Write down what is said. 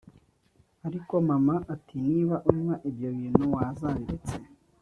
ariko mama ati niba unywa ibyo bintu wazabiretse